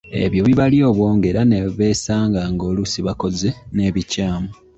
Ebyo bibalya obwongo era ne beesanga ng'oluusi bakoze n'ebikyamu.